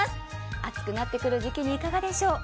暑くなってくる時期にいかかでしょう。